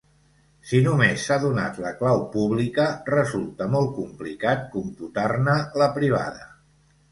Si només s'ha donat la clau pública, resulta molt complicat computar-ne la privada.